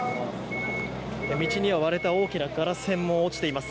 道には割れた大きなガラス片も落ちています。